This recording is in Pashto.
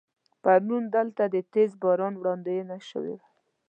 پرون دلته د تیز باران وړاندوينه شوې وه.